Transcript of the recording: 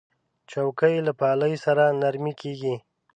چوکۍ له پالې سره نرمې کېږي.